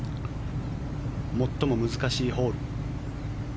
最も難しいホール。